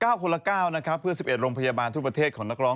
คนละเก้านะครับเพื่อสิบเอ็ดโรงพยาบาลทุกประเทศของนักร้อง